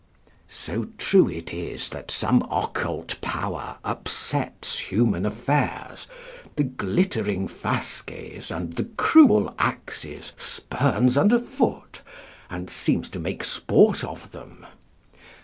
["So true it is that some occult power upsets human affairs, the glittering fasces and the cruel axes spurns under foot, and seems to make sport of them."